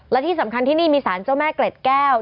และที่สำคัญที่นี่มีสารเจ้าแม่เกล็ดแก้ว